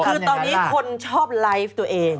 คือตอนนี้คนชอบไลฟ์ตัวเอง